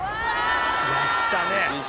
やったね。